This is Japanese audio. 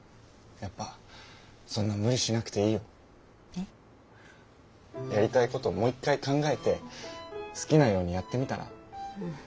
やっぱそんな無理しなくていいよ。え？やりたいこともう一回考えて好きなようにやってみたら？